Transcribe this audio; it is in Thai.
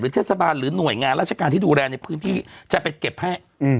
เทศบาลหรือหน่วยงานราชการที่ดูแลในพื้นที่จะไปเก็บให้